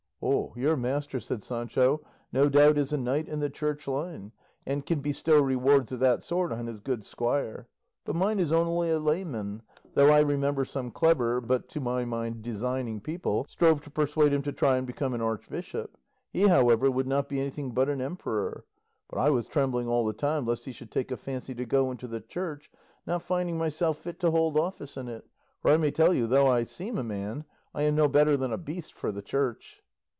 "Your master," said Sancho, "no doubt is a knight in the Church line, and can bestow rewards of that sort on his good squire; but mine is only a layman; though I remember some clever, but, to my mind, designing people, strove to persuade him to try and become an archbishop. He, however, would not be anything but an emperor; but I was trembling all the time lest he should take a fancy to go into the Church, not finding myself fit to hold office in it; for I may tell you, though I seem a man, I am no better than a beast for the Church."